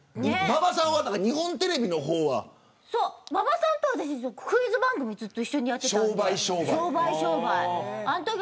馬場さんは日本テレビの方にも。馬場さんとは、クイズ番組ずっと一緒にやってました。